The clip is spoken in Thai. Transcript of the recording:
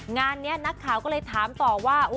งานนี้นักข่าวก็เลยถามต่อว่า